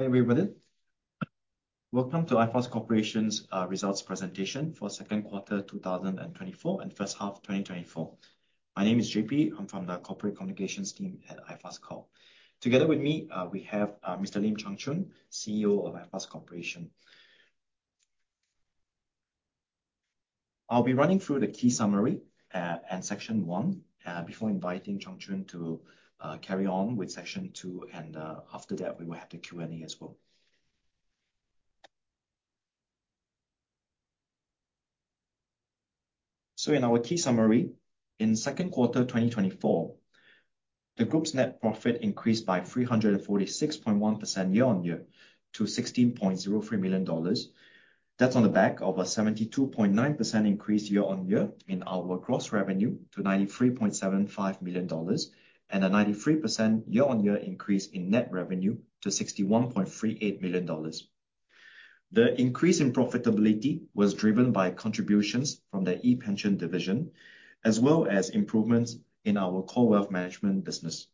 Hey, everybody. Welcome to iFAST Corporation's results presentation for Q2 2024, and H1 2024. My name is JP. I'm from the Corporate Communications team at iFAST Corp. Together with me, we have Mr. Lim Chung Chun, CEO of iFAST Corporation. I'll be running through the key summary and section one before inviting Chung Chun to carry on with section two, and after that, we will have the Q&A as well. So in our key summary, in Q2 2024, the group's net profit increased by 346.1% year-on-year to 16.03 million dollars. That's on the back of a 72.9% increase year-on-year in our gross revenue to SGD 93.75 million, and a 93% year-on-year increase in net revenue to SGD 61.38 million. The increase in profitability was driven by contributions from the ePension division, as well as improvements in our core wealth management business.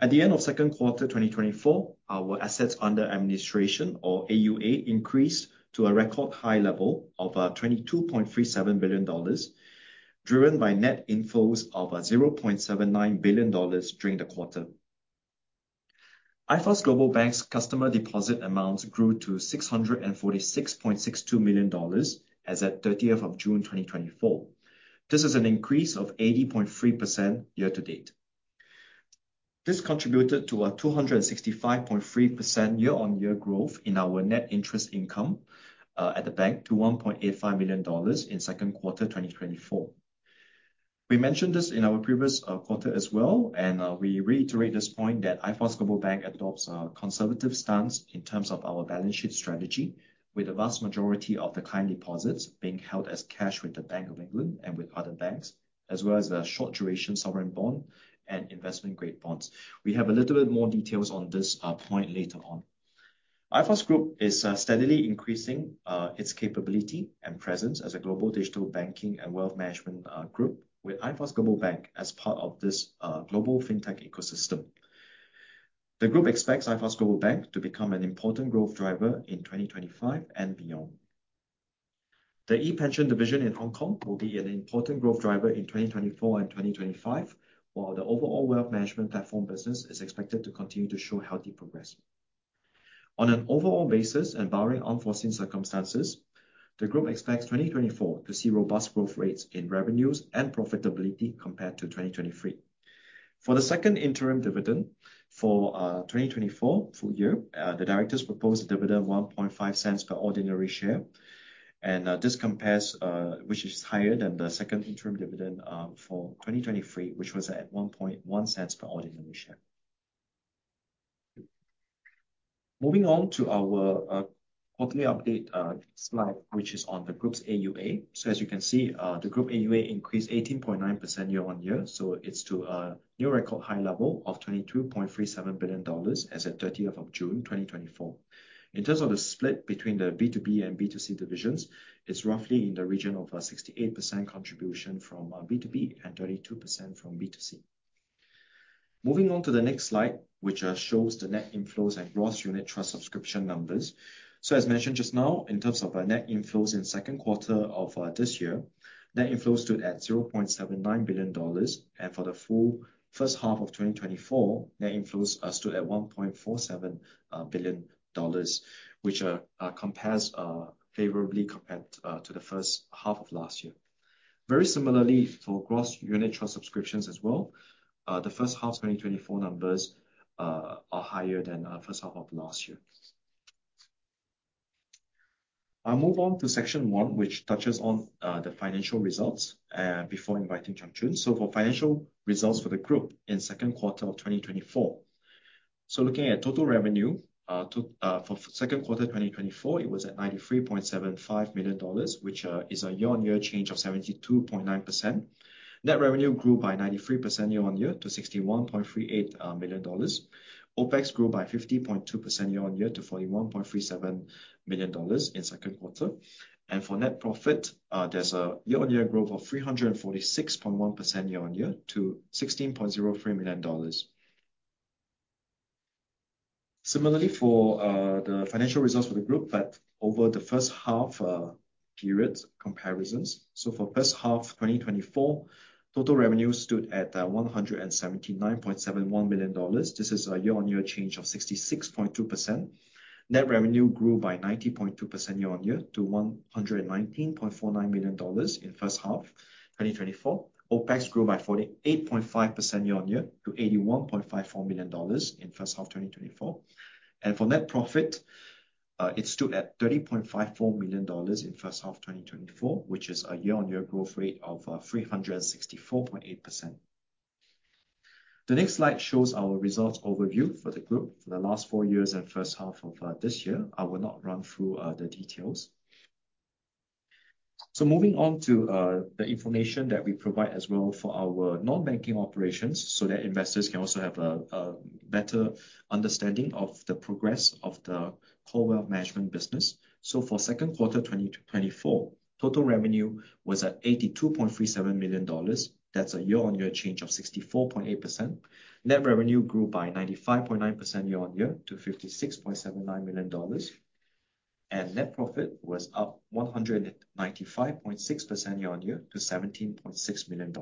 At the end of Q2 2024, our assets under administration, or AUA, increased to a record high level of SGD 22.37 billion, driven by net inflows of SGD 0.79 billion during the quarter. iFAST Global Bank's customer deposit amounts grew to 646.62 million dollars as at 30th of June 2024. This is an increase of 80.3% year to date. This contributed to a 265.3% year-on-year growth in our net interest income at the bank, to 1.85 million dollars in Q2 2024. We mentioned this in our previous quarter as well, and we reiterate this point, that iFAST Global Bank adopts a conservative stance in terms of our balance sheet strategy, with the vast majority of the client deposits being held as cash with the Bank of England and with other banks, as well as a short-duration sovereign bond and investment-grade bonds. We have a little bit more details on this point later on. iFAST Group is steadily increasing its capability and presence as a global digital banking and wealth management group, with iFAST Global Bank as part of this global fintech ecosystem. The group expects iFAST Global Bank to become an important growth driver in 2025 and beyond. The ePension division in Hong Kong will be an important growth driver in 2024 and 2025, while the overall wealth management platform business is expected to continue to show healthy progress. On an overall basis, and barring unforeseen circumstances, the group expects 2024 to see robust growth rates in revenues and profitability compared to 2023. For the second interim dividend for 2024 full year, the directors propose a dividend of 0.015 per ordinary share, and this compares, which is higher than the second interim dividend for 2023, which was at 0.011 per ordinary share. Moving on to our quarterly update slide, which is on the group's AUA. So as you can see, the group AUA increased 18.9% year-on-year, so it's to a new record high level of 22.37 billion dollars as at 30th of June 2024. In terms of the split between the B2B and B2C divisions, it's roughly in the region of, 68% contribution from, B2B and 32% from B2C. Moving on to the next slide, which, shows the net inflows and gross unit trust subscription numbers. So as mentioned just now, in terms of our net inflows in Q2 of, this year, net inflows stood at 0.79 billion dollars, and for the full first half of 2024, net inflows, stood at 1.47, billion dollars, which, compares, favorably compared, to the first half of last year. Very similarly, for gross unit trust subscriptions as well, the first half 2024 numbers are higher than first half of last year. I'll move on to section one, which touches on the financial results before inviting Chung Chun. For financial results for the group in Q2 of 2024. Looking at total revenue for Q2 2024, it was at 93.75 million dollars, which is a year-on-year change of 72.9%. Net revenue grew by 93% year-on-year to 61.38 million dollars. OPEX grew by 50.2% year-on-year to 41.37 million dollars in Q2. For net profit, there's a year-on-year growth of 346.1% year-on-year to SGD 16.03 million. Similarly, for the financial results for the group, but over the first half period comparisons. So for first half 2024, total revenue stood at 179.71 million dollars. This is a year-on-year change of 66.2%. Net revenue grew by 90.2% year-on-year to 119.49 million dollars in first half 2024. OPEX grew by 48.5% year-on-year to 81.54 million dollars in first half 2024. And for net profit, it stood at 30.54 million dollars in first half 2024, which is a year-on-year growth rate of 364.8%. The next slide shows our results overview for the group for the last four years and first half of this year. I will not run through the details. So moving on to the information that we provide as well for our non-banking operations, so that investors can also have a better understanding of the progress of the core wealth management business. So for Q2 2024, total revenue was at SGD 82.37 million. That's a year-on-year change of 64.8%. Net revenue grew by 95.9% year-on-year to 56.79 million dollars, and net profit was up 195.6% year-on-year to SGD 17.6 million.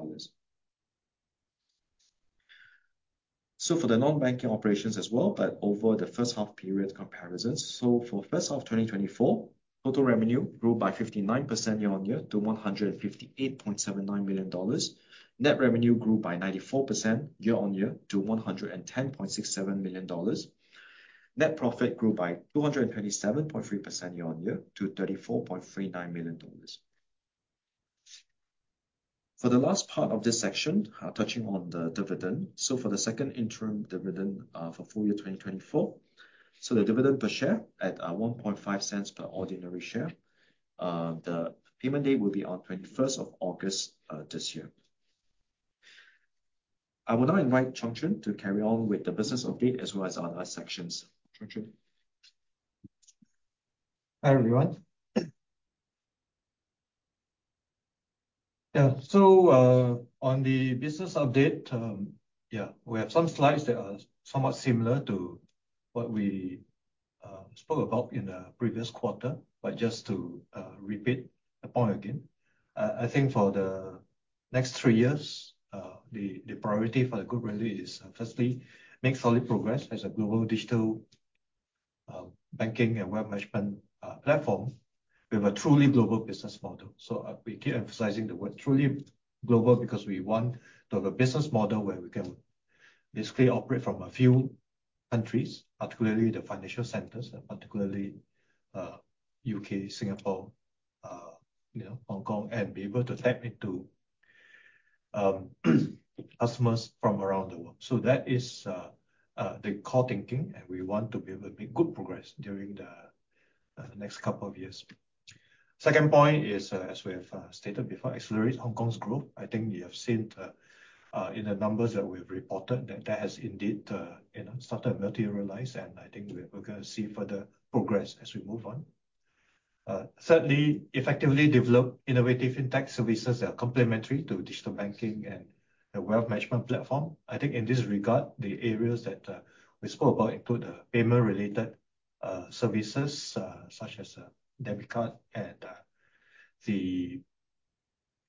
So for the non-banking operations as well, but over the first half period comparisons, so for first half of 2024, total revenue grew by 59% year-on-year to 158.79 million dollars. Net revenue grew by 94% year-on-year to 110.67 million dollars. Net profit grew by 227.3% year-on-year to 34.39 million dollars. For the last part of this section, touching on the dividend, so for the second interim dividend, for full year 2024, so the dividend per share at, 1.5 cents per ordinary share. The payment date will be on 21st of August this year. I will now invite Chung Chun to carry on with the business update, as well as our last sections. Chung Chun? Hi, everyone. Yeah, so, on the business update, yeah, we have some slides that are somewhat similar to what we, spoke about in the previous quarter. But just to, repeat the point again, I think for the next three years, the, the priority for the group really is, firstly, make solid progress as a global digital, banking and wealth management, platform with a truly global business model. So, we keep emphasizing the word truly global, because we want to have a business model where we can basically operate from a few countries, particularly the financial centers, and particularly, U.K., Singapore, you know, Hong Kong, and be able to tap into, customers from around the world. So that is the core thinking, and we want to be able to make good progress during the next couple of years. Second point is, as we have stated before, accelerate Hong Kong's growth. I think you have seen the in the numbers that we've reported, that that has indeed you know started to materialize, and I think we're we're gonna see further progress as we move on. Certainly effectively develop innovative fintech services that are complementary to digital banking and the wealth management platform. I think in this regard, the areas that we spoke about include the payment-related services such as debit card and the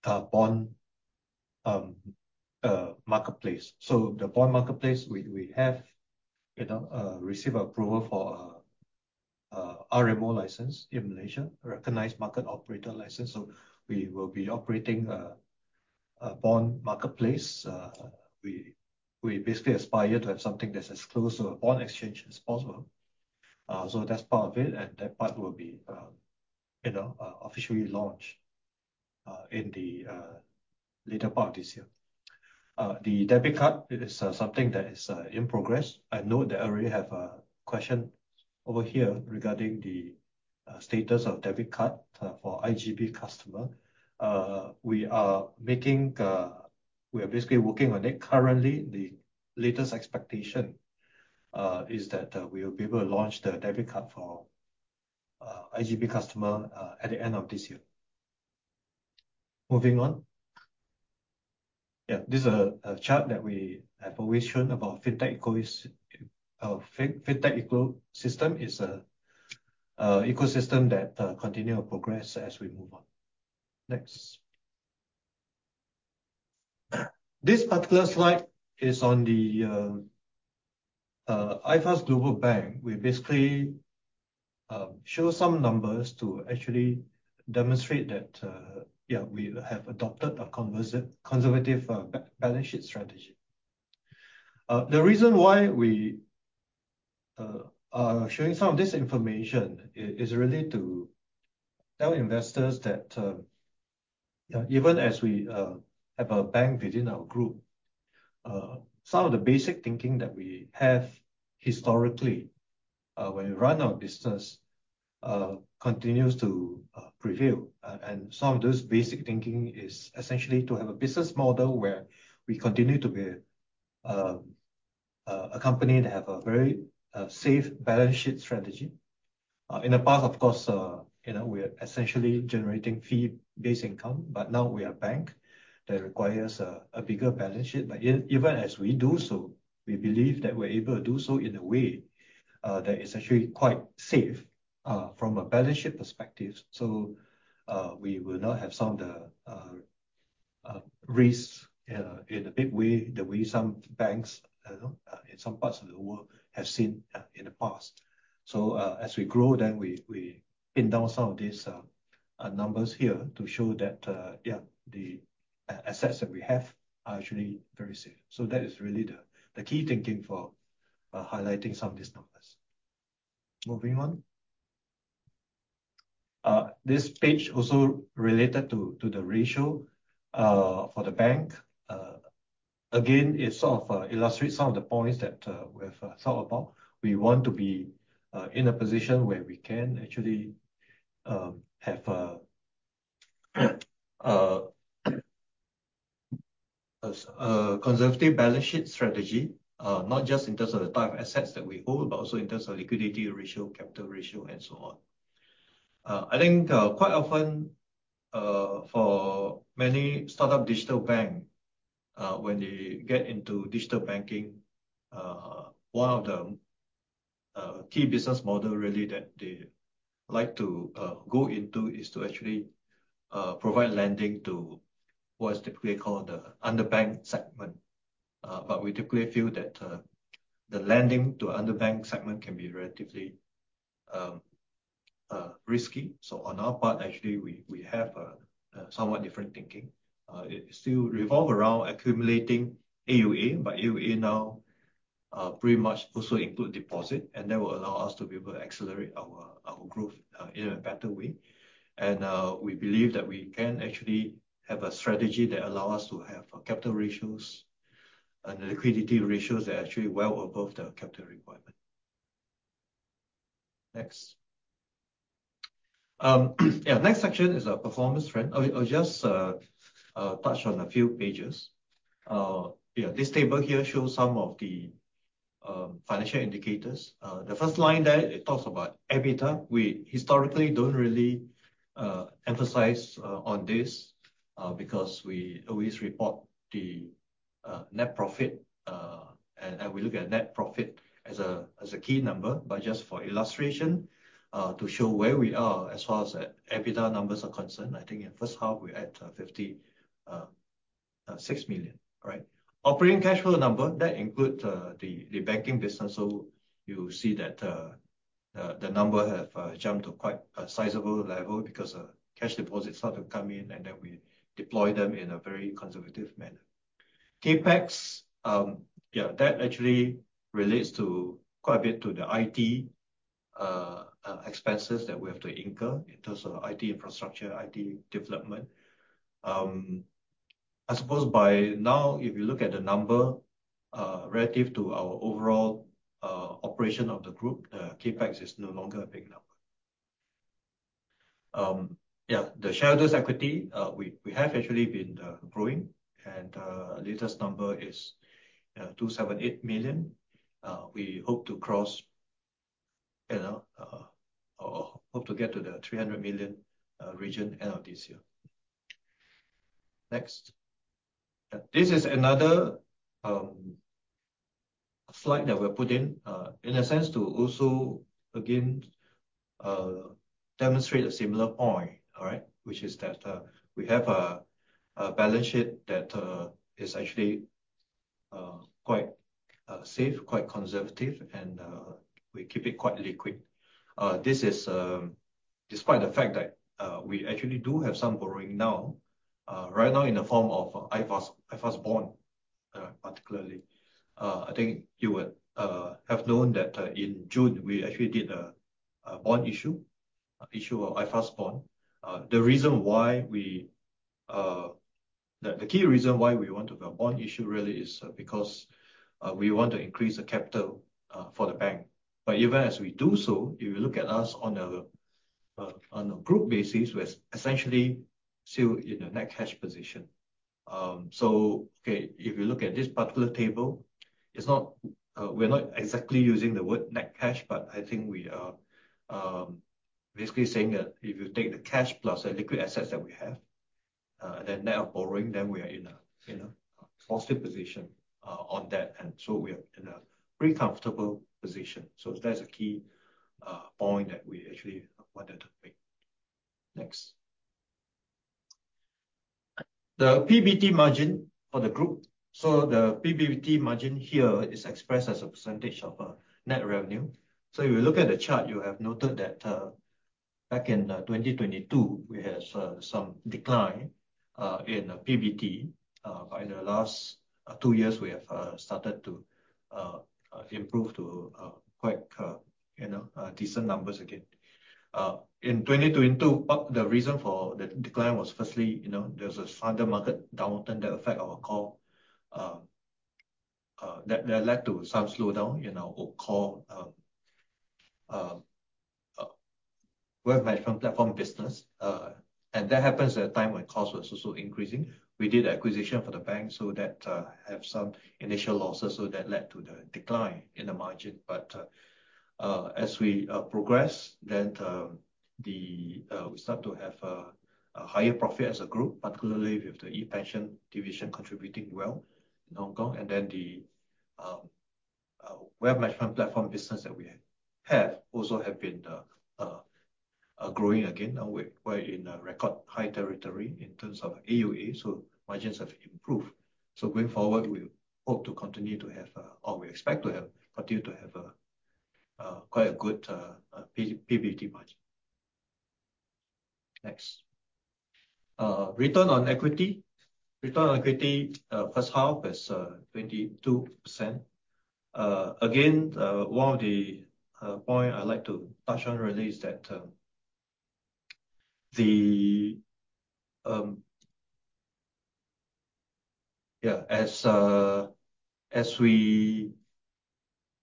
bond marketplace. So the Bond Marketplace, we, we have, you know, received approval for a RMO license in Malaysia, a Recognized Market Operator license, so we will be operating a Bond Marketplace. We basically aspire to have something that's as close to a bond exchange as possible. So that's part of it, and that part will be, you know, officially launched in the later part of this year. The debit card is something that is in progress. I know that I already have a question over here regarding the status of debit card for IGB customer. We are basically working on it. Currently, the latest expectation is that we will be able to launch the debit card for IGB customer at the end of this year. Moving on. Yeah, this is a chart that we have always shown about fintech ecosystem. It's a ecosystem that continue to progress as we move on. Next. This particular slide is on the iFAST Global Bank. We basically show some numbers to actually demonstrate that yeah, we have adopted a conservative balance sheet strategy. The reason why we are showing some of this information is really to tell investors that yeah, even as we have a bank within our group, some of the basic thinking that we have historically when we run our business continues to prevail. Some of this basic thinking is essentially to have a business model where we continue to be a company that have a very safe balance sheet strategy. In the past, of course, you know, we're essentially generating fee-based income, but now we are a bank. That requires a bigger balance sheet. But even as we do so, we believe that we're able to do so in a way that is actually quite safe from a balance sheet perspective. So, we will not have some of the risks in a big way, the way some banks in some parts of the world have seen in the past. So, as we grow, then we pin down some of these numbers here to show that, yeah, the assets that we have are actually very safe. So that is really the key thinking for highlighting some of these numbers. Moving on. This page also related to the ratio for the bank. Again, it sort of illustrates some of the points that we've thought about. We want to be in a position where we can actually have a conservative balance sheet strategy. Not just in terms of the type of assets that we hold, but also in terms of liquidity ratio, capital ratio, and so on. I think, quite often, for many startup digital bank-... When they get into digital banking, one of the key business model really that they like to go into is to actually provide lending to what is typically called the underbanked segment. But we typically feel that the lending to underbanked segment can be relatively risky. So on our part, actually, we have a somewhat different thinking. It still revolve around accumulating AUA, but AUA now pretty much also include deposit, and that will allow us to be able to accelerate our growth in a better way. We believe that we can actually have a strategy that allow us to have capital ratios and liquidity ratios that are actually well above the capital requirement. Next. Next section is a performance trend. I'll just touch on a few pages. Yeah, this table here shows some of the financial indicators. The first line there, it talks about EBITDA. We historically don't really emphasize on this because we always report the net profit. And we look at net profit as a key number. But just for illustration, to show where we are as far as the EBITDA numbers are concerned, I think in first half, we're at 56 million, right? Operating cash flow number, that include the banking business, so you see that the number have jumped to quite a sizable level, because cash deposits start to come in, and then we deploy them in a very conservative manner. CapEx, yeah, that actually relates to quite a bit to the IT expenses that we have to incur in terms of IT infrastructure, IT development. I suppose by now, if you look at the number, relative to our overall operation of the group, CapEx is no longer a big number. Yeah, the shareholders' equity, we have actually been growing, and the latest number is 278 million. We hope to cross, you know, or hope to get to the 300 million region end of this year. Next. This is another slide that we're putting in a sense to also, again, demonstrate a similar point, all right? Which is that, we have a balance sheet that is actually quite safe, quite conservative, and we keep it quite liquid. This is despite the fact that we actually do have some borrowing now, right now in the form of iFAST, iFAST bond, particularly. I think you would have known that in June, we actually did a bond issue, issue a iFAST bond. The reason why we... The key reason why we want to do a bond issue really is because we want to increase the capital for the bank. But even as we do so, if you look at us on a group basis, we're essentially still in a net cash position. So, okay, if you look at this particular table, it's not, we're not exactly using the word net cash, but I think we are, basically saying that if you take the cash plus the liquid assets that we have, then net of borrowing, then we are in a positive position, on that. And so we are in a pretty comfortable position. So that's a key point that we actually wanted to make. Next. The PBT margin for the group. So the PBT margin here is expressed as a percentage of net revenue. So if you look at the chart, you have noted that, back in 2022, we had some decline in PBT. But in the last two years, we have started to improve to quite you know decent numbers again. In 2022, the reason for the decline was firstly you know there was a stronger market downturn that affect our core that led to some slowdown in our core wealth management platform business. And that happens at a time when costs were also increasing. We did acquisition for the bank, so that have some initial losses, so that led to the decline in the margin. But as we progress, then we start to have a higher profit as a group, particularly with the ePension division contributing well in Hong Kong. Then the wealth management platform business that we have also have been growing again. Now we're in a record high territory in terms of AUA, so margins have improved. So going forward, we hope to continue to have, or we expect to have, continue to have a quite a good PBT margin. Next. Return on equity. Return on equity, first half is 22%. Again, one of the point I'd like to touch on really is that, the... Yeah, as we,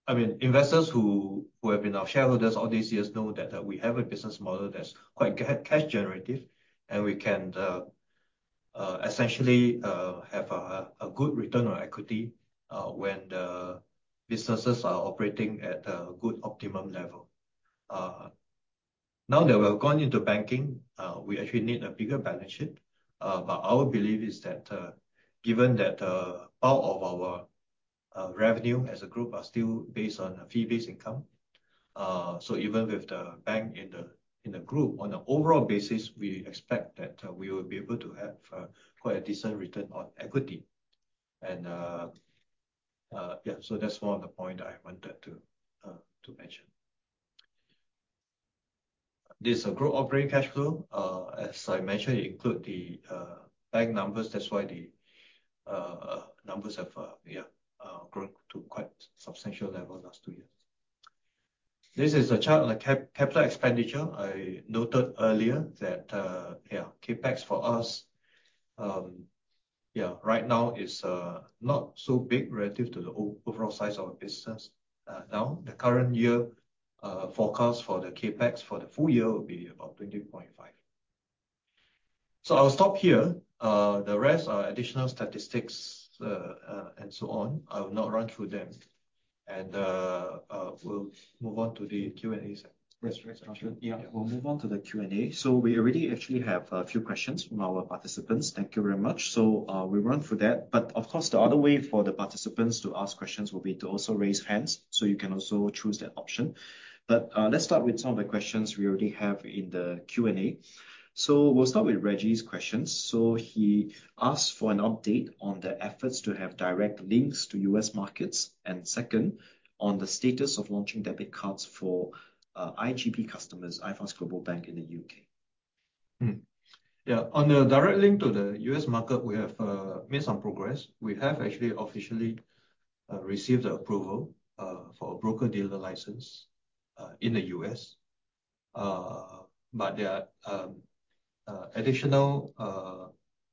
I mean, investors who have been our shareholders all these years know that we have a business model that's quite cash generative, and we can essentially have a good return on equity when the businesses are operating at a good optimum level. Now that we have gone into banking, we actually need a bigger balance sheet. But our belief is that given that part of our revenue as a group are still based on a fee-based income, so even with the bank in the group, on an overall basis, we expect that we will be able to have quite a decent return on equity. And yeah, so that's one of the point I wanted to mention. This is a group operating cash flow. As I mentioned, it include the bank numbers, that's why the numbers have grown to quite substantial level last two years. This is a chart on the capital expenditure. I noted earlier that CapEx for us right now is not so big relative to the overall size of our business. Now, the current year forecast for the CapEx for the full year will be about 20.5 million. So I will stop here. The rest are additional statistics and so on. I will not run through them. We'll move on to the Q&A section. Yes. Yes, sure. Yeah, we'll move on to the Q&A. So we already actually have a few questions from our participants. Thank you very much. So, we'll run through that. But of course, the other way for the participants to ask questions will be to also raise hands, so you can also choose that option. But, let's start with some of the questions we already have in the Q&A. So we'll start with Reggie's questions. So he asked for an update on the efforts to have direct links to U.S. markets, and second, on the status of launching debit cards for IGB customers, iFAST Global Bank in the UK. Yeah, on the direct link to the US market, we have made some progress. We have actually officially received the approval for a broker-dealer license in the US. But there are additional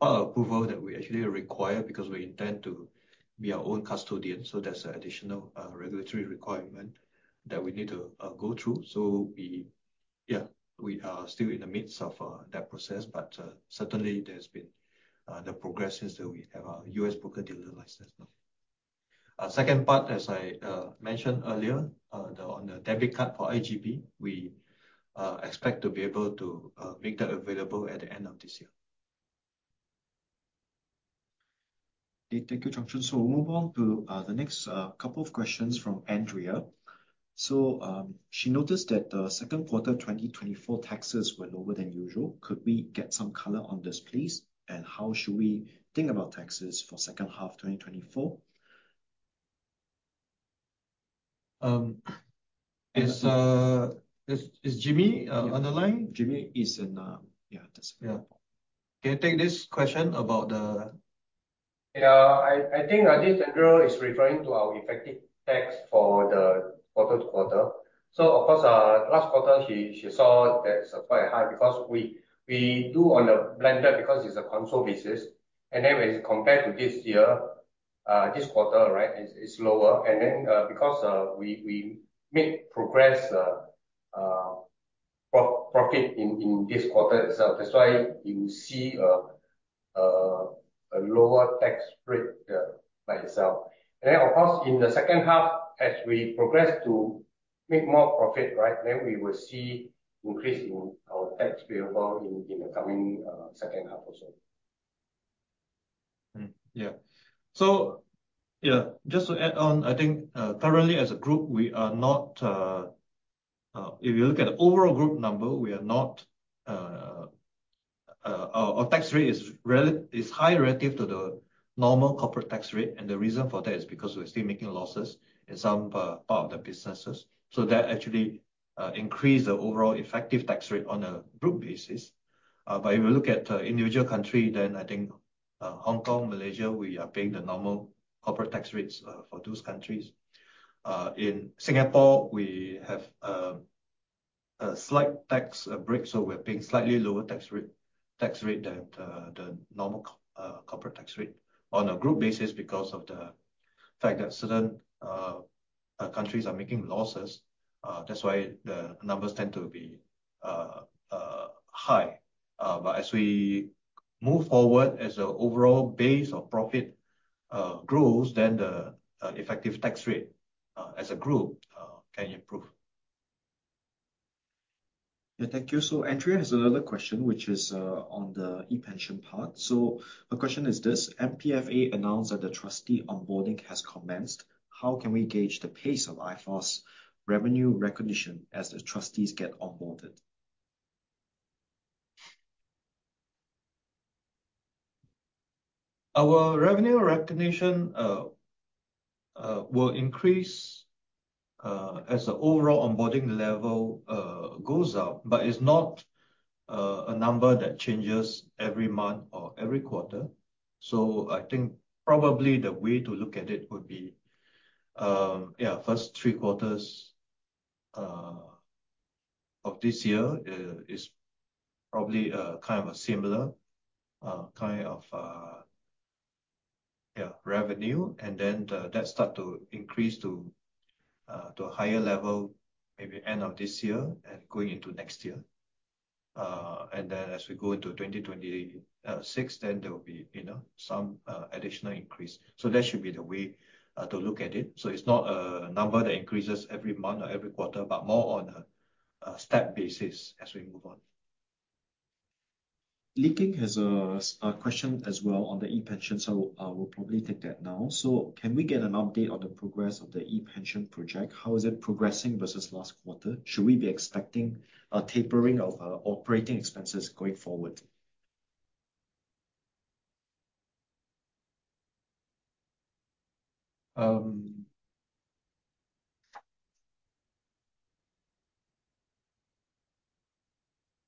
approval that we actually require, because we intend to be our own custodian, so there's additional regulatory requirement that we need to go through. So we... Yeah, we are still in the midst of that process, but certainly there's been the progress since that we have a US broker-dealer license now. Second part, as I mentioned earlier, then on the debit card for IGB, we expect to be able to make that available at the end of this year. Thank you, Chung Chun. So we'll move on to the next couple of questions from Andrea. So, she noticed that the Q2 of 2024 taxes were lower than usual. Could we get some color on this, please? And how should we think about taxes for second half of 2024? Is Jimmy on the line? Jimmy is in, yeah, that's- Yeah. Can you take this question about the- Yeah, I think this Andrea is referring to our effective tax for the quarter to quarter. So of course, last quarter, she saw that it's quite high, because we do on a blended, because it's a consolidated basis. And then when you compare to this year, this quarter, right, it's lower. And then, because we made progress, profit in this quarter itself, that's why you see a lower tax rate by itself. And then, of course, in the second half, as we progress to make more profit, right, then we will see increase in our tax payable in the coming second half also. So, just to add on, I think, currently as a group, we are not, if you look at the overall group number, we are not, our tax rate is high relative to the normal corporate tax rate, and the reason for that is because we're still making losses in some part of the businesses. So that actually increases the overall effective tax rate on a group basis. But if you look at individual country, then I think, Hong Kong, Malaysia, we are paying the normal corporate tax rates for those countries. In Singapore, we have a slight tax break, so we're paying slightly lower tax rate, tax rate than the normal corporate tax rate. On a group basis, because of the fact that certain countries are making losses, that's why the numbers tend to be high. But as we move forward, as the overall base of profit grows, then the effective tax rate as a group can improve. Yeah, thank you. So Andrea has another question, which is, on the ePension part. So her question is this: MPFA announced that the trustee onboarding has commenced. How can we gauge the pace of iFAST's revenue recognition as the trustees get onboarded? Our revenue recognition will increase as the overall onboarding level goes up, but it's not a number that changes every month or every quarter. So I think probably the way to look at it would be, yeah, first three quarters of this year is probably kind of a similar kind of yeah revenue. And then that starts to increase to a higher level, maybe end of this year and going into next year... and then as we go into 2026, then there will be, you know, some additional increase. So that should be the way to look at it. So it's not a number that increases every month or every quarter, but more on a step basis as we move on. Lee Keng has a question as well on the ePension, so we'll probably take that now. So can we get an update on the progress of the ePension project? How is it progressing versus last quarter? Should we be expecting a tapering of operating expenses going forward?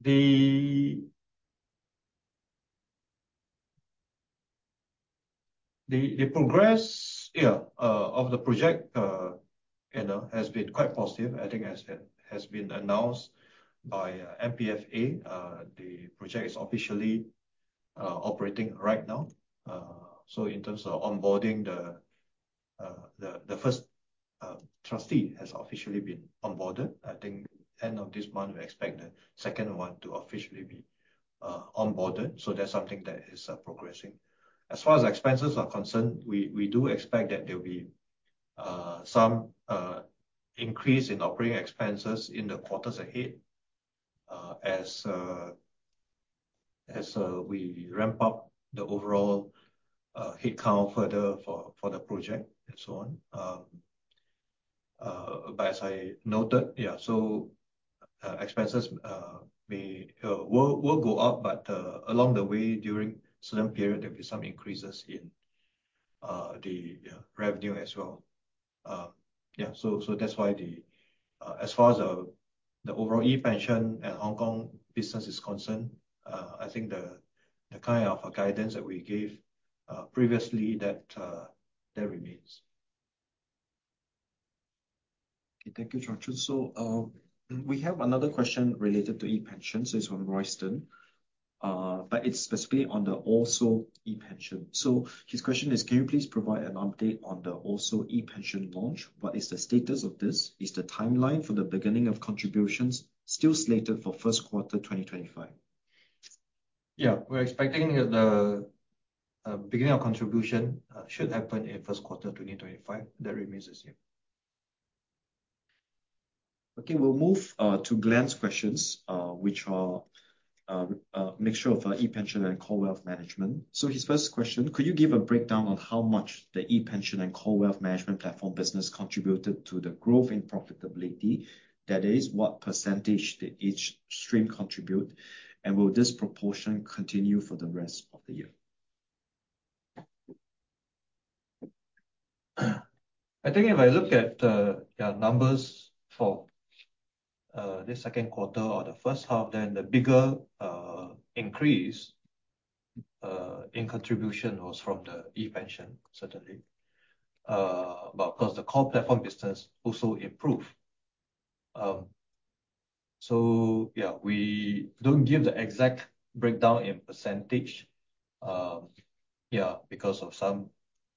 The progress, yeah, of the project, you know, has been quite positive. I think as it has been announced by MPFA, the project is officially operating right now. So in terms of onboarding, the first trustee has officially been onboarded. I think end of this month, we expect the second one to officially be onboarded. So that's something that is progressing. As far as expenses are concerned, we do expect that there will be some increase in operating expenses in the quarters ahead, as we ramp up the overall headcount further for the project, and so on. But as I noted, yeah, so expenses will go up, but along the way, during certain period, there'll be some increases in the, yeah, revenue as well. Yeah, so that's why the... As far as the overall ePension and Hong Kong business is concerned, I think the kind of guidance that we gave previously, that remains. Thank you, Chung Chun. We have another question related to ePension, so it's from Royston, but it's specifically on the ORSO ePension. His question is: Can you please provide an update on the ORSO ePension launch? What is the status of this? Is the timeline for the beginning of contributions still slated for Q1 2025? Yeah. We're expecting the beginning of contribution should happen in Q1 2025. That remains the same. Okay, we'll move to Glenn's questions, which are a mixture of ePension and core wealth management. So his first question: Could you give a breakdown on how much the ePension and core wealth management platform business contributed to the growth in profitability? That is, what percentage did each stream contribute, and will this proportion continue for the rest of the year? I think if I look at the numbers for the Q2 or the first half, then the bigger increase in contribution was from the ePension, certainly. But of course, the core platform business also improved. So yeah, we don't give the exact breakdown in percentage, yeah, because of some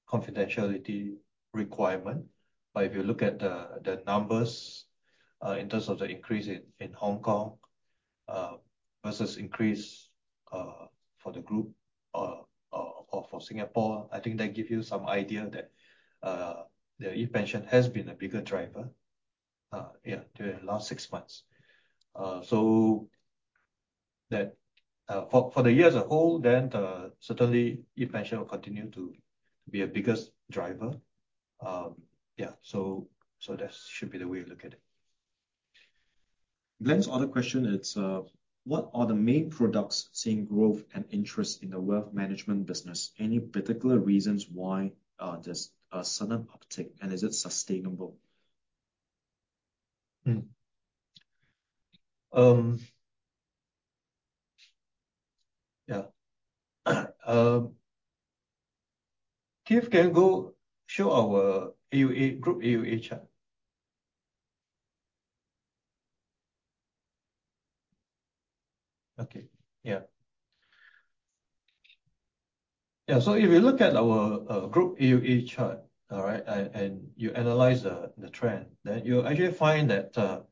confidentiality requirement. But if you look at the numbers in terms of the increase in Hong Kong versus increase for the group or for Singapore, I think that give you some idea that the ePension has been a bigger driver, yeah, during the last six months. So that for the year as a whole, then certainly ePension will continue to be a biggest driver. Yeah, so that should be the way to look at it. Glenn's other question, it's: What are the main products seeing growth and interest in the wealth management business? Any particular reasons why, there's a sudden uptick, and is it sustainable? Keith can go show our AUA, Group AUA chart. Okay, yeah. Yeah, so if you look at our Group AUA chart, all right, and you analyze the trend, then you actually find that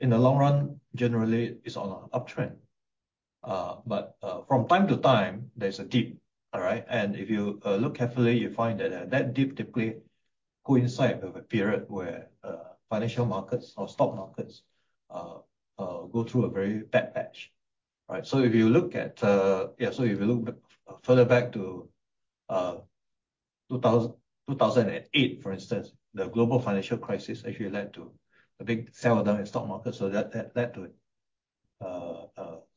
in the long run, generally it's on a uptrend. But from time to time, there's a dip, all right? And if you look carefully, you find that that dip typically coincide with a period where financial markets or stock markets go through a very bad patch, right? So if you look further back to 2008, for instance, the global financial crisis actually led to a big selloff down in stock market, so that led to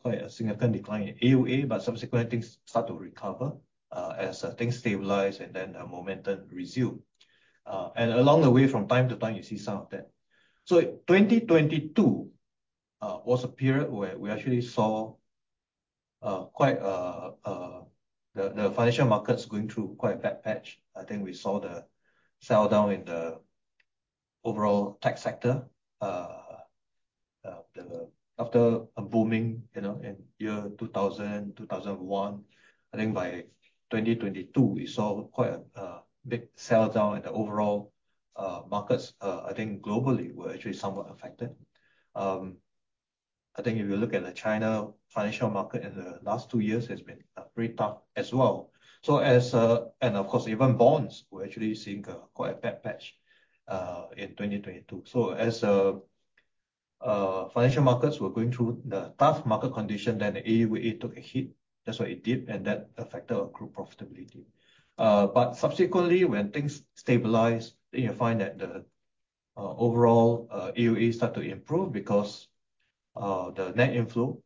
quite a significant decline in AUA. But subsequently, things start to recover, as things stabilize, and then the momentum resume. And along the way, from time to time, you see some of that. So 2022 was a period where we actually saw quite the financial markets going through quite a bad patch. I think we saw the selldown in the overall tech sector. The, after a booming, you know, in year 2000, 2001, I think by 2022, we saw quite a big selldown in the overall markets. I think globally were actually somewhat affected. I think if you look at the China financial market in the last two years, it's been pretty tough as well. So as... Of course, even bonds, we're actually seeing quite a bad patch in 2022. So as financial markets were going through the tough market condition, then AUA took a hit. That's why it dipped, and that affected our group profitability. But subsequently, when things stabilized, then you find that the overall AUA start to improve because the net inflow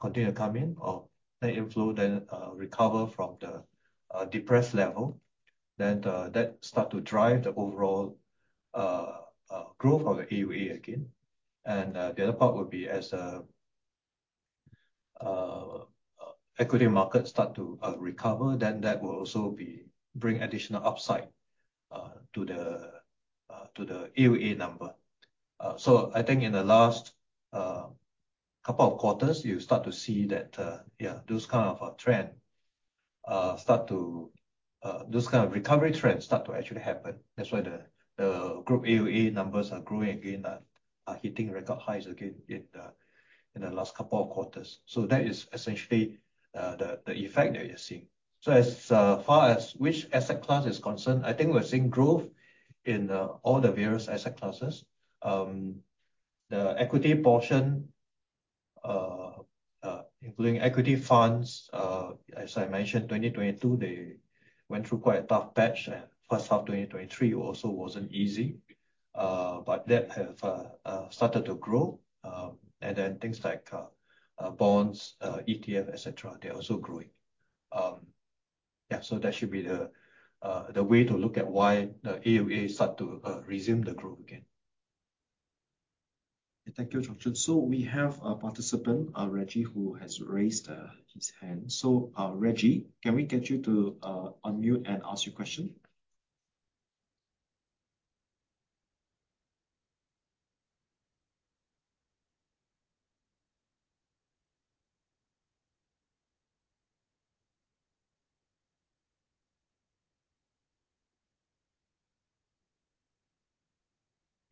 continued to come in, or net inflow then recover from the depressed level. Then that start to drive the overall growth of the AUA again. And the other part would be as equity markets start to recover, then that will also be bring additional upside to the AUA number. So I think in the last couple of quarters, you start to see that, yeah, those kind of recovery trends start to actually happen. That's why the group AUA numbers are growing again, are hitting record highs again in the last couple of quarters. So that is essentially the effect that you're seeing. So as far as which asset class is concerned, I think we're seeing growth in all the various asset classes. The equity portion, including equity funds, as I mentioned, 2022, they went through quite a tough patch, and first half 2023 also wasn't easy. But that have started to grow. And then things like bonds, ETF, et cetera, they're also growing. Yeah, so that should be the way to look at why the AUA start to resume the growth again. Thank you, Chung Chun. So we have a participant, Reggie, who has raised his hand. So, Reggie, can we get you to unmute and ask your question?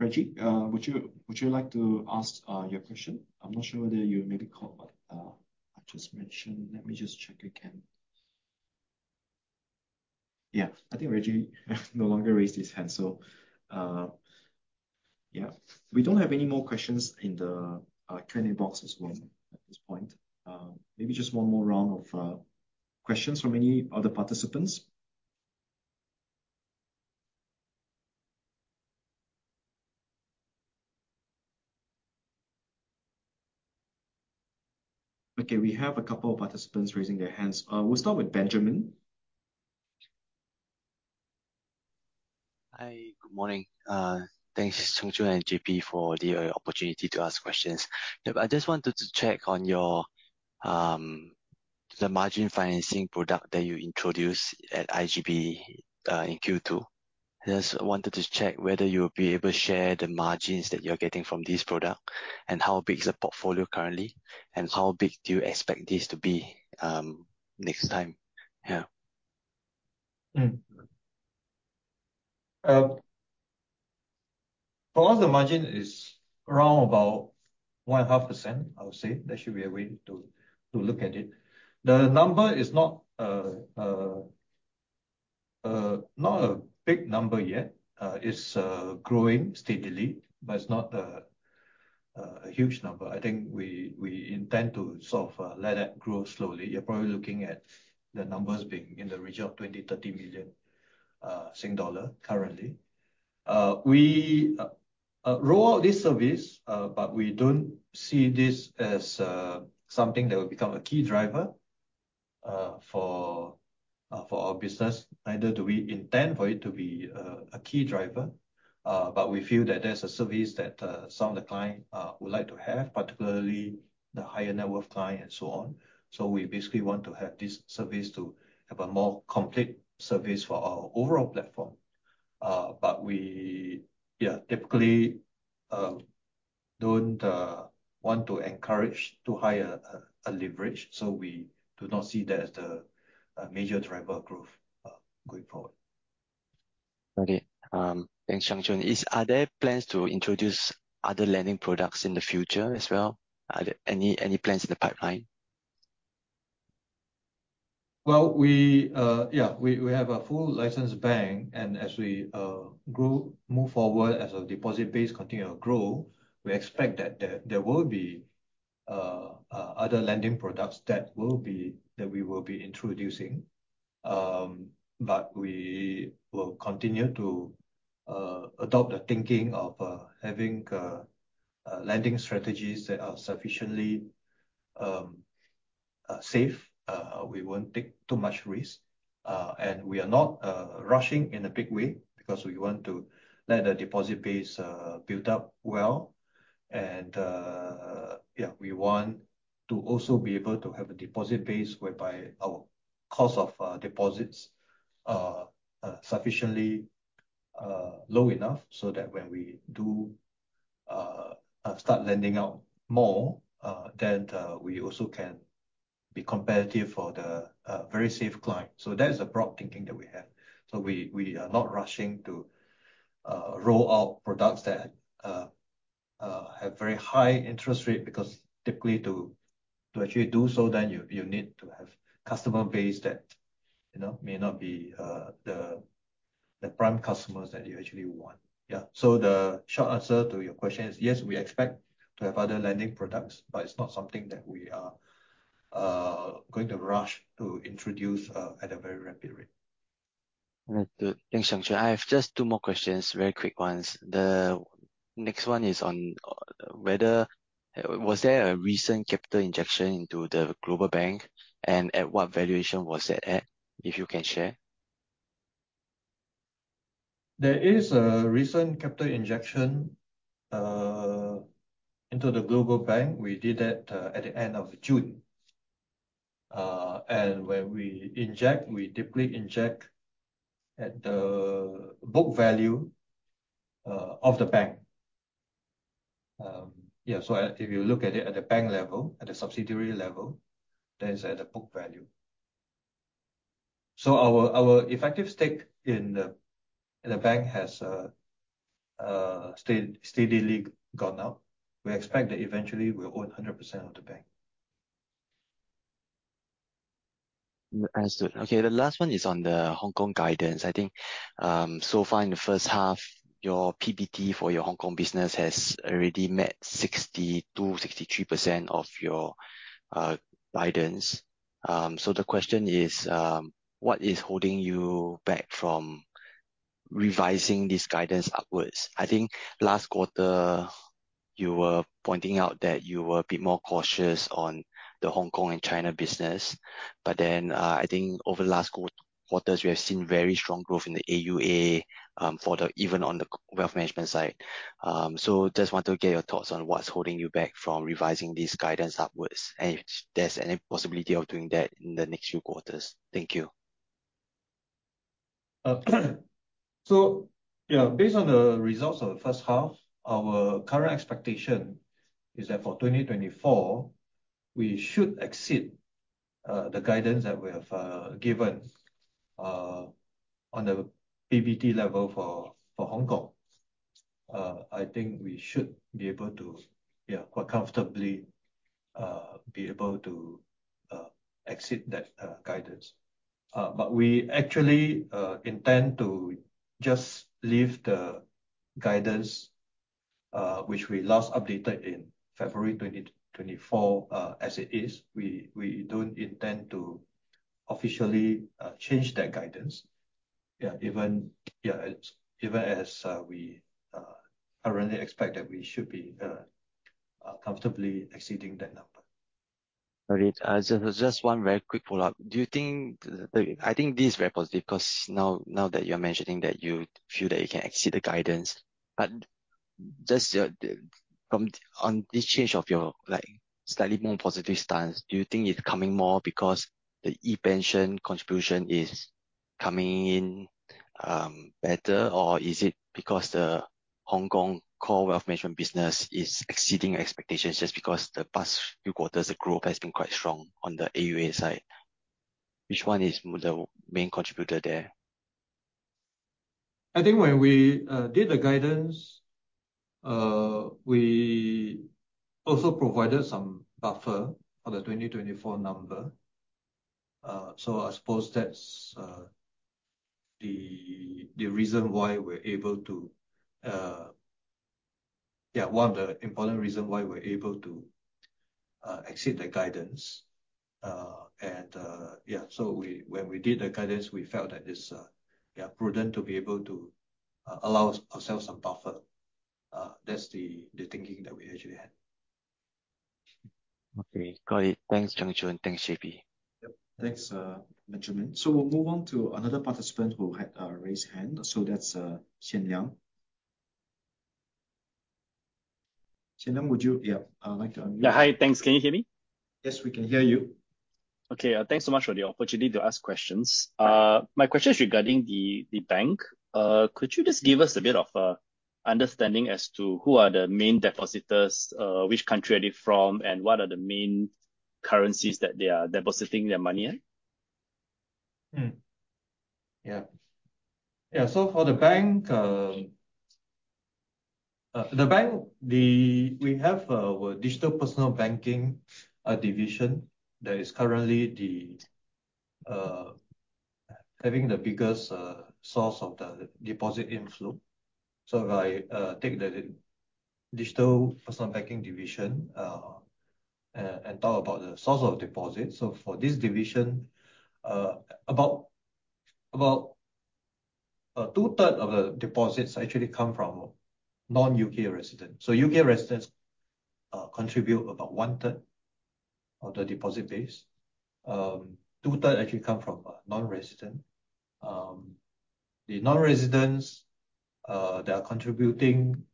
Reggie, would you like to ask your question? I'm not sure whether you may be caught. I just mentioned... Let me just check again. Yeah, I think Reggie no longer raised his hand, so, yeah. We don't have any more questions in the Q&A box as well at this point. Maybe just one more round of questions from any other participants. Okay, we have a couple of participants raising their hands. We'll start with Benjamin. Hi, good morning. Thanks, Chung Chun and JP, for the opportunity to ask questions. Yeah, I just wanted to check on your, the margin financing product that you introduced at IGB, in Q2. I just wanted to check whether you'll be able to share the margins that you're getting from this product, and how big is the portfolio currently, and how big do you expect this to be, next time? Yeah. Mm-hmm. For us, the margin is around about 1.5%, I would say. That should be a way to look at it. The number is not a big number yet. It's growing steadily, but it's not a huge number. I think we intend to sort of let that grow slowly. You're probably looking at the numbers being in the region of 20-30 million Sing dollar currently. We roll out this service, but we don't see this as something that will become a key driver for our business. Neither do we intend for it to be a key driver, but we feel that there's a service that some of the client would like to have, particularly the higher net worth client and so on. So we basically want to have this service to have a more complete service for our overall platform. But we, yeah, typically don't want to encourage to higher a leverage, so we do not see that as the major driver growth going forward. Okay. Thanks, Chung Chun. Are there plans to introduce other lending products in the future as well? Are there any plans in the pipeline? Well, yeah, we have a full licensed bank, and as we grow, move forward, as our deposit base continue to grow, we expect that there will be other lending products that will be that we will be introducing. But we will continue to adopt the thinking of having lending strategies that are sufficiently safe. We won't take too much risk, and we are not rushing in a big way, because we want to let the deposit base build up well. And yeah, we want to also be able to have a deposit base whereby our cost of deposits are sufficiently low enough, so that when we do start lending out more, then we also can be competitive for the very safe client. So that is a broad thinking that we have. So we are not rushing to roll out products that have very high interest rate, because typically to actually do so, then you need to have customer base that, you know, may not be the prime customers that you actually want. Yeah, so the short answer to your question is, yes, we expect to have other lending products, but it's not something that we are going to rush to introduce at a very rapid rate. Right. Thanks, Chung Chun. I have just two more questions, very quick ones. The next one is on whether was there a recent capital injection into the global bank, and at what valuation was it at, if you can share? There is a recent capital injection into the global bank. We did that at the end of June. And when we inject, we typically inject at the book value of the bank. Yeah, so if you look at it at the bank level, at the subsidiary level, that is at the book value. So our effective stake in the bank has steadily gone up. We expect that eventually we'll own 100% of the bank. Understood. Okay, the last one is on the Hong Kong guidance. I think, so far in the first half, your PBT for your Hong Kong business has already met 62%-63% of your guidance. So the question is, what is holding you back from revising this guidance upwards? I think last quarter you were pointing out that you were a bit more cautious on the Hong Kong and China business. But then, I think over the last quarters, we have seen very strong growth in the AUA, even on the wealth management side. So just want to get your thoughts on what's holding you back from revising this guidance upwards, and if there's any possibility of doing that in the next few quarters. Thank you. So yeah, based on the results of the first half, our current expectation is that for 2024, we should exceed the guidance that we have given on the PBT level for Hong Kong. I think we should be able to, yeah, quite comfortably be able to exceed that guidance. But we actually intend to just leave the guidance, which we last updated in February 2024, as it is. We don't intend to officially change that guidance. Yeah, even as we currently expect that we should be comfortably exceeding that number. All right. Just one very quick follow-up. Do you think... I think this is very positive, 'cause now that you're mentioning that you feel that you can exceed the guidance, but just from, on this change of your, like, slightly more positive stance, do you think it's coming more because the ePension contribution is coming in better? Or is it because the Hong Kong core wealth management business is exceeding expectations just because the past few quarters, the growth has been quite strong on the AUA side? Which one is the main contributor there? I think when we did the guidance, we also provided some buffer for the 2024 number. So I suppose that's the reason why we're able to... Yeah, one of the important reason why we're able to exceed the guidance. And yeah, so when we did the guidance, we felt that it's prudent to be able to allow ourselves some buffer. That's the thinking that we actually had. Okay, got it. Thanks, Chung Chun. Thanks, JP. Yep. Thanks, Benjamin. So we'll move on to another participant who had raised hand. So that's Xian Liang. Xian Liang, would you... Yeah, I'd like to- Yeah. Hi, thanks. Can you hear me? Yes, we can hear you. Okay. Thanks so much for the opportunity to ask questions. My question is regarding the bank. Could you just give us a bit of a understanding as to who are the main depositors, which country are they from, and what are the main currencies that they are depositing their money in? Yeah, so for the bank, we have our Digital Personal Banking division that is currently having the biggest source of the deposit inflow. So if I take the Digital Personal Banking division and talk about the source of deposits, so for this division, about two-thirds of the deposits actually come from non-U.K. residents. So U.K. residents contribute about one-third of the deposit base. Two-thirds actually come from non-resident. The non-residents they are contributing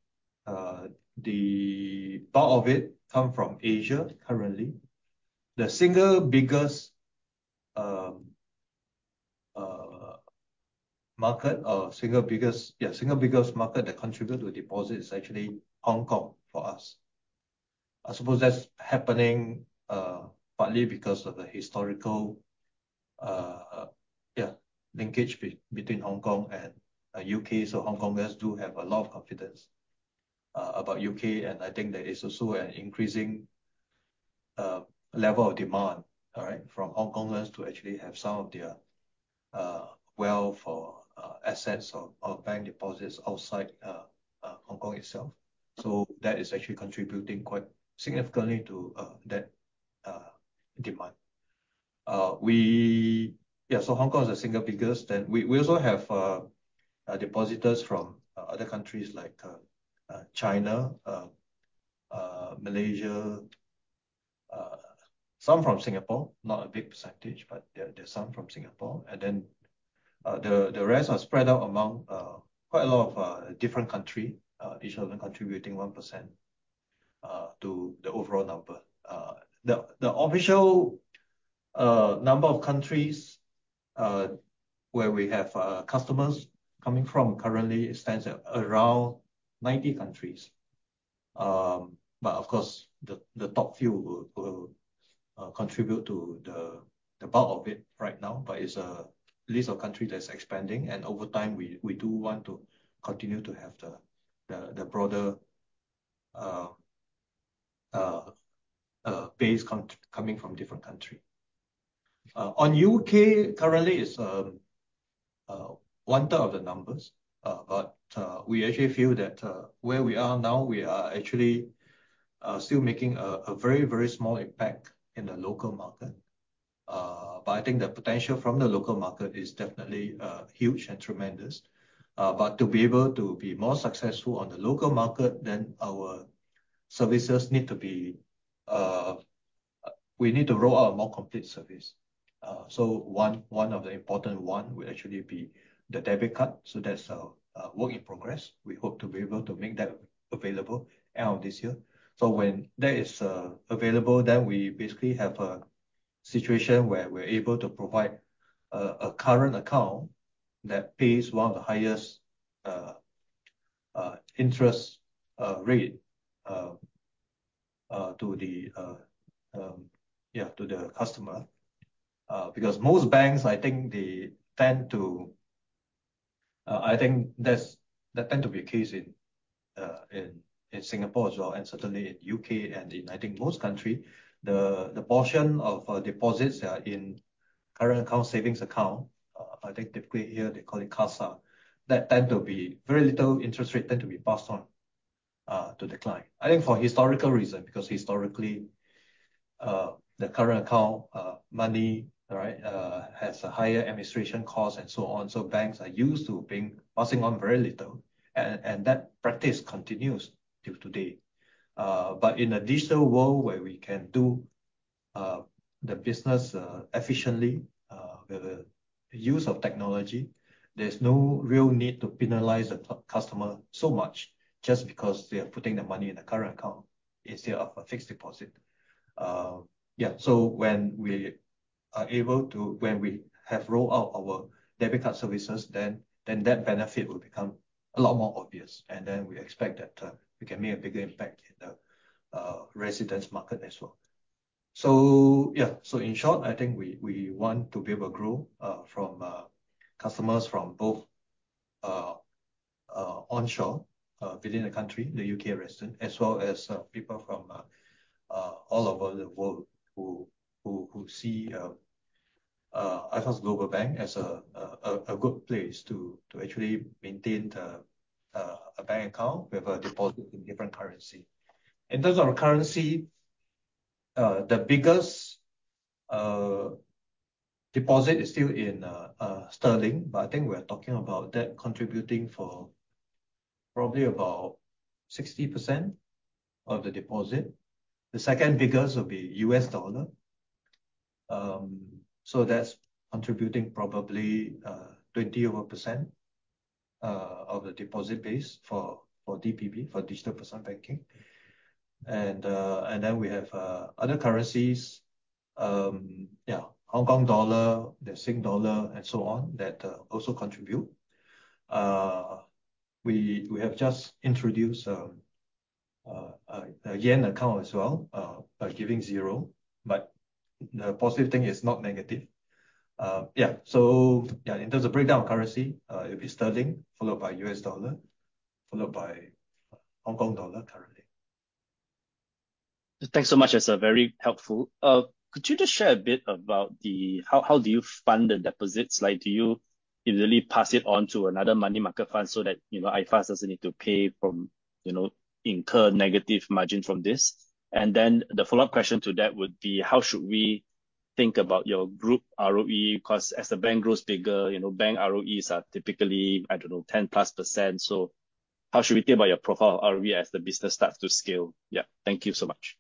the part of it come from Asia, currently. The single biggest market that contribute to deposit is actually Hong Kong for us. I suppose that's happening partly because of the historical linkage between Hong Kong and U.K. So Hongkongers do have a lot of confidence about UK, and I think there is also an increasing level of demand, all right, from Hongkongers to actually have some of their wealth or assets or bank deposits outside Hong Kong itself. So that is actually contributing quite significantly to that demand. Yeah, so Hong Kong is the single biggest, and we also have depositors from other countries like China, Malaysia, some from Singapore, not a big percentage, but there are some from Singapore. And then the rest are spread out among quite a lot of different country, each of them contributing 1% to the overall number. The official number of countries where we have customers coming from currently stands at around 90 countries. But of course, the top few will contribute to the bulk of it right now, but it's a list of countries that's expanding, and over time, we do want to continue to have the broader base coming from different country. In the UK, currently is one-third of the numbers. But we actually feel that where we are now, we are actually still making a very, very small impact in the local market. But I think the potential from the local market is definitely huge and tremendous. But to be able to be more successful on the local market, then our services need to be... We need to roll out a more complete service. So one of the important ones will actually be the debit card, so that's a work in progress. We hope to be able to make that available end of this year. So when that is available, then we basically have a situation where we're able to provide a current account that pays one of the highest interest rates to the customer. Because most banks, I think they tend to. I think that tends to be a case in Singapore as well, and certainly in U.K., and in, I think, most countries. The portion of deposits in current account, savings account, I think typically here they call it CASA, that tend to be very little interest rate tend to be passed on to the client. I think for historical reason, because historically, the current account money, right, has a higher administration cost and so on. So banks are used to paying, passing on very little, and that practice continues till today. But in a digital world where we can do the business efficiently with the use of technology, there's no real need to penalize a customer so much just because they are putting their money in a current account instead of a fixed deposit. Yeah, so when we are able to, when we have rolled out our debit card services, then, then that benefit will become a lot more obvious, and then we expect that, we can make a bigger impact in the, residents market as well. So yeah, so in short, I think we, we want to be able to grow, from, customers from both, onshore, within the country, the UK resident, as well as, people from, all over the world who, who, who see, iFAST Global Bank as a, a, a good place to, to actually maintain the, a bank account with a deposit in different currency. In terms of our currency, the biggest deposit is still in sterling, but I think we're talking about that contributing for probably about 60% of the deposit. The second biggest will be US dollar. So that's contributing probably over 20% of the deposit base for DPB, for digital personal banking. And then we have other currencies, Hong Kong dollar, the Singaporean dollar, and so on, that also contribute. We have just introduced a yen account as well, by giving zero, but the positive thing is not negative. So in terms of breakdown currency, it'd be sterling, followed by US dollar, followed by Hong Kong dollar currently. Thanks so much. That's very helpful. Could you just share a bit about the... How do you fund the deposits? Like, do you easily pass it on to another money market fund so that, you know, iFAST doesn't need to pay from, you know, incur negative margin from this? And then the follow-up question to that would be, how should we think about your group ROE? 'Cause as the bank grows bigger, you know, bank ROEs are typically, I don't know, 10%+, so how should we think about your profile ROE as the business starts to scale? Yeah. Thank you so much.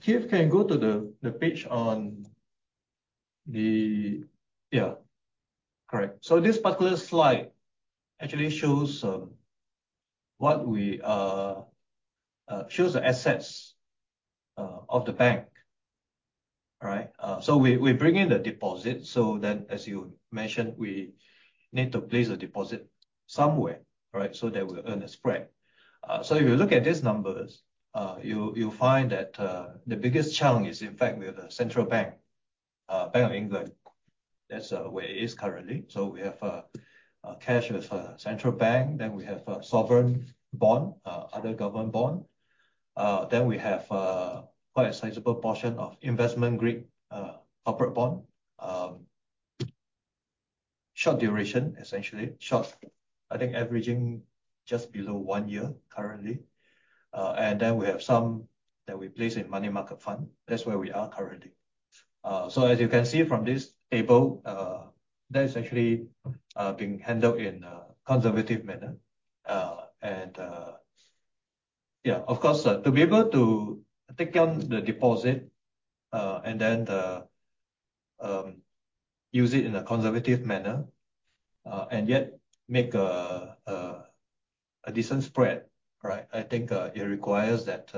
Keith, can you go to the page on the... Yeah, correct. So this particular slide actually shows what we shows the assets of the bank, all right? So we bring in the deposit, so then as you mentioned, we need to place the deposit somewhere, right? So that we earn a spread. So if you look at these numbers, you will find that the biggest challenge is in fact with the central bank, Bank of England. That's where it is currently. So we have a cash with central bank, then we have a sovereign bond, other government bond. Then we have quite a sizable portion of investment-grade corporate bond. Short duration, essentially. Short, I think averaging just below one year currently. And then we have some that we place in money market fund. That's where we are currently. So as you can see from this table, that is actually being handled in a conservative manner. And yeah, of course, to be able to take on the deposit, and then the use it in a conservative manner, and yet make a decent spread, right? I think it requires that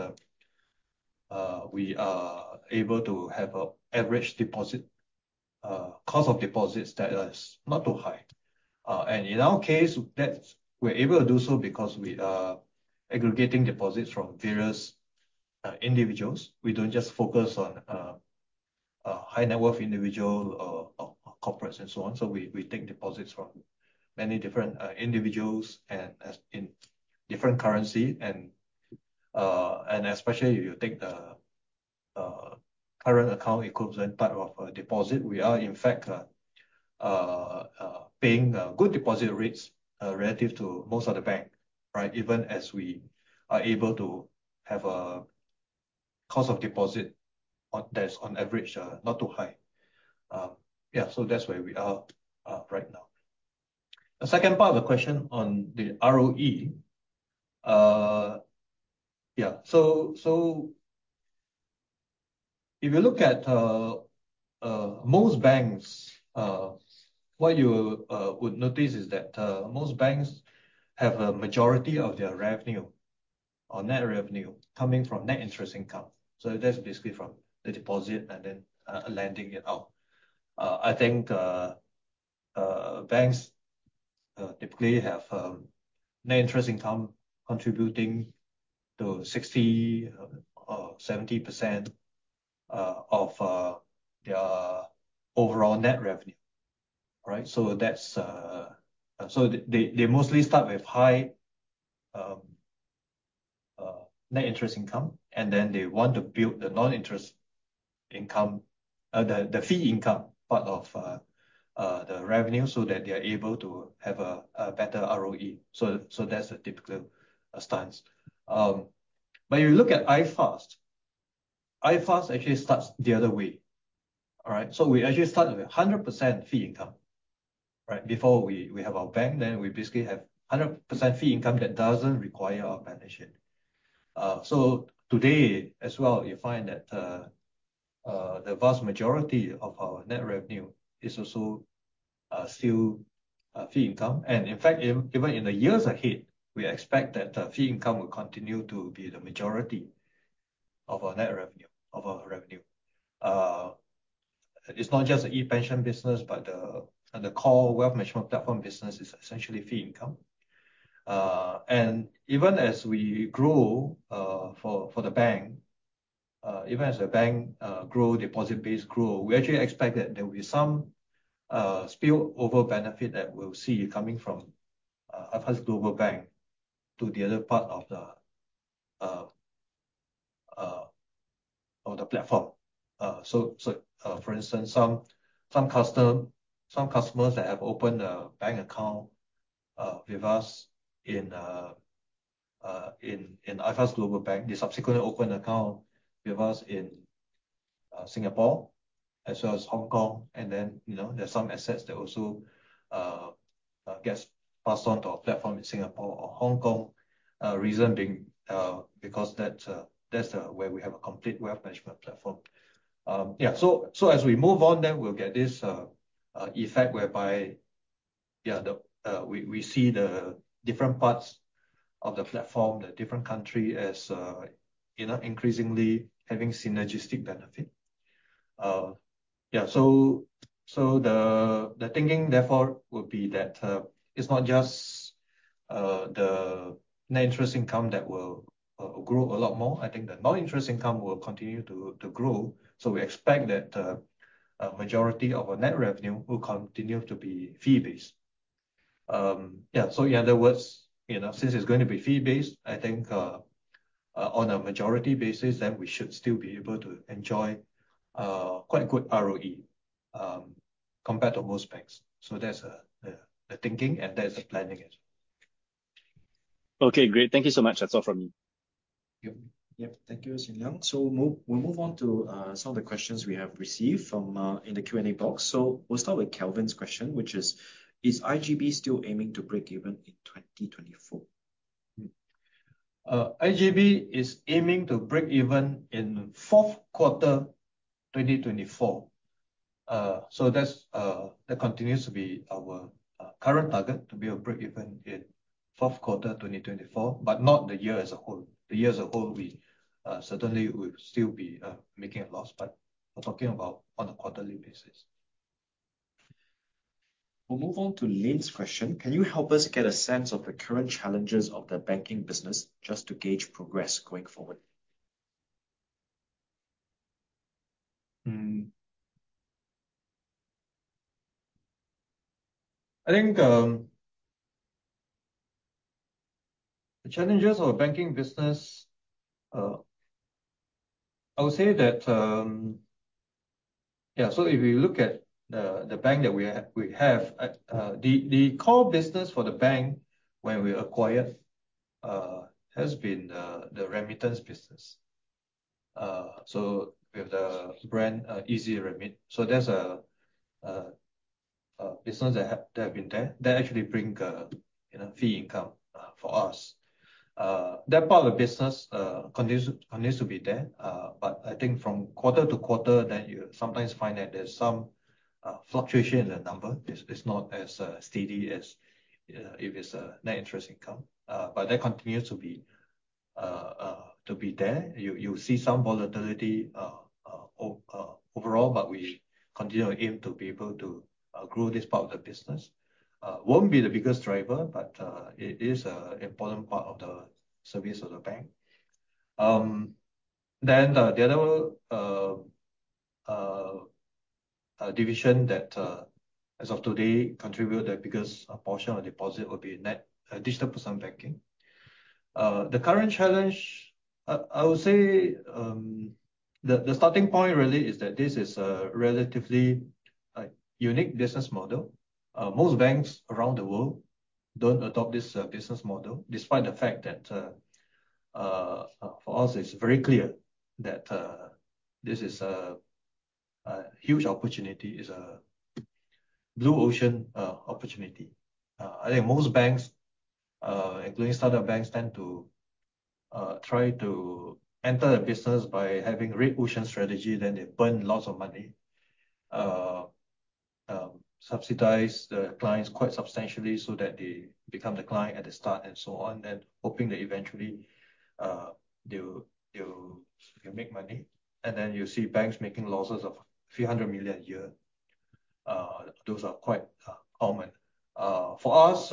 we are able to have an average deposit cost of deposits that is not too high. And in our case, that's... We're able to do so because we are aggregating deposits from various individuals. We don't just focus on high-net-worth individual, or corporates, and so on. So we take deposits from many different individuals, and in different currency. Especially if you take the current account equivalent part of a deposit, we are in fact paying good deposit rates relative to most of the banks, right? Even as we are able to have a cost of deposit that's on average not too high. Yeah, so that's where we are right now. The second part of the question on the ROE. Yeah, so if you look at most banks, what you would notice is that most banks have a majority of their revenue or net revenue coming from net interest income. So that's basically from the deposit and then lending it out. I think banks typically have net interest income contributing to 60% or 70% of their overall net revenue, right? So that's... So they mostly start with high net interest income, and then they want to build the non-interest income, the fee income part of the revenue, so that they are able to have a better ROE. So that's a typical stance. But you look at iFAST. iFAST actually starts the other way, all right? So we actually start with 100% fee income, right? Before we have our bank, then we basically have 100% fee income that doesn't require our management. So today, as well, you find that the vast majority of our net revenue is also still fee income. In fact, even in the years ahead, we expect that the fee income will continue to be the majority of our net revenue, of our revenue. It's not just the ePension business, but and the core wealth management platform business is essentially fee income. And even as we grow, for the bank, even as the bank grow, deposit base grow, we actually expect that there will be some spillover benefit that we'll see coming from iFAST Global Bank to the other part of the platform. So, for instance, some customers that have opened a bank account with us in iFAST Global Bank, they subsequently open an account with us in Singapore as well as Hong Kong. And then, you know, there are some assets that also gets passed on to our platform in Singapore or Hong Kong. Reason being, because that's where we have a complete wealth management platform. Yeah, so as we move on, then we'll get this effect whereby, yeah, we see the different parts of the platform, the different country as, you know, increasingly having synergistic benefit. Yeah, so the thinking therefore would be that it's not just the net interest income that will grow a lot more. I think the non-interest income will continue to grow. So we expect that a majority of our net revenue will continue to be fee-based. Yeah, so in other words, you know, since it's going to be fee-based, I think, on a majority basis, then we should still be able to enjoy quite a good ROE compared to most banks. So that's the thinking, and that's the planning as well. Okay, great. Thank you so much. That's all from me. Yep. Yep, thank you, Xian Liang. So, we'll move on to some of the questions we have received from in the Q&A box. So we'll start with Kelvin's question, which is: Is IGB still aiming to break even in 2024? IGB is aiming to break even in Q4 2024. So that's that continues to be our current target, to break even in Q4 2024, but not the year as a whole. The year as a whole, we certainly will still be making a loss, but we're talking about on a quarterly basis. We'll move on to Lynn's question: Can you help us get a sense of the current challenges of the banking business, just to gauge progress going forward? I think the challenges of banking business, I would say that. Yeah, so if you look at the bank that we have, the core business for the bank when we acquired has been the remittance business. So we have the brand, EzRemit. So there's a business that have been there, that actually bring, you know, fee income for us. That part of the business continues to be there. But I think from quarter to quarter, then you sometimes find that there's some fluctuation in the number. It's not as steady as if it's a net interest income. But that continues to be there. You'll see some volatility, overall, but we continue to aim to be able to grow this part of the business. Won't be the biggest driver, but it is an important part of the service of the bank. Then the other division that, as of today, contribute the biggest portion of deposit would be our digital personal Banking. The current challenge, I would say, the starting point really is that this is a relatively unique business model. Most banks around the world don't adopt this business model, despite the fact that for us, it's very clear that this is a huge opportunity. It's a blue ocean opportunity. I think most banks, including startup banks, tend to try to enter the business by having red ocean strategy, then they burn lots of money, subsidize the clients quite substantially so that they become the client at the start and so on. Hoping that eventually, they'll make money, and then you see banks making losses of 300 million a year. Those are quite common. For us,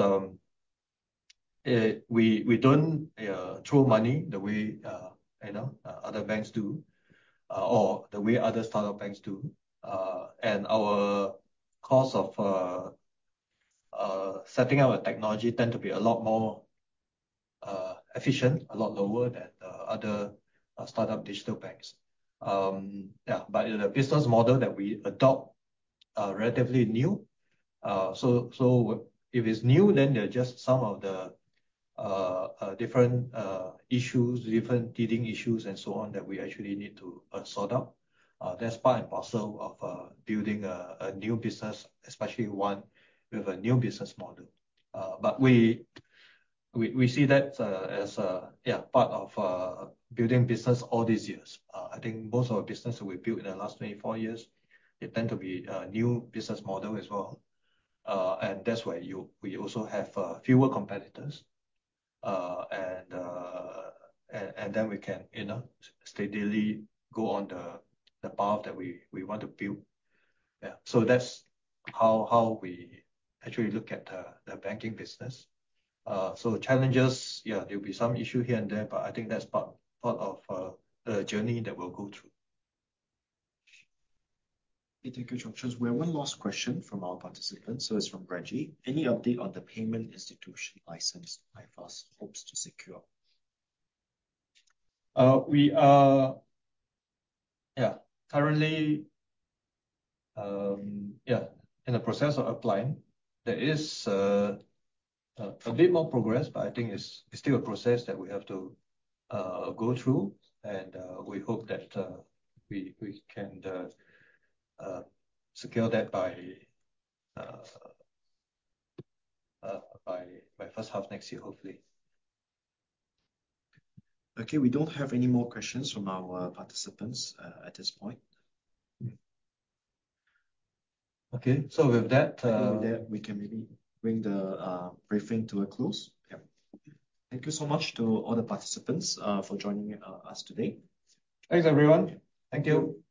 we don't throw money the way, you know, other banks do, or the way other startup banks do. Our cost of setting up a technology tend to be a lot more efficient, a lot lower than the other startup digital banks. Yeah, but in the business model that we adopt, are relatively new. So, so if it's new, then there are just some of the different issues, different dealing issues and so on, that we actually need to sort out. That's part and parcel of building a new business, especially one with a new business model. But we see that as yeah, part of building business all these years. I think most of our business that we built in the last 24 years, they tend to be a new business model as well. And that's why you- we also have fewer competitors, and then we can, you know, steadily go on the path that we want to build. Yeah, so that's how we actually look at the banking business. So challenges, yeah, there'll be some issue here and there, but I think that's part of the journey that we'll go through. Thank you, Charles. We have one last question from our participants, so it's from Reggie. Any update on the payment institution license iFAST hopes to secure? We are, yeah, currently in the process of applying. There is a bit more progress, but I think it's still a process that we have to go through, and we hope that we can secure that by first half next year, hopefully. Okay, we don't have any more questions from our participants, at this point. Okay. So with that, With that, we can maybe bring the briefing to a close. Yeah. Thank you so much to all the participants for joining us today. Thanks, everyone. Thank you.